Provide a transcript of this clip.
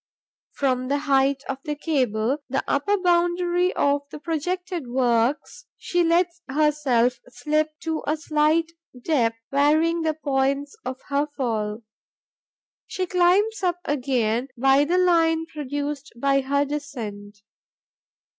From the height of the cable, the upper boundary of the projected works, she lets herself slip to a slight depth, varying the points of her fall. She climbs up again by the line produced by her descent.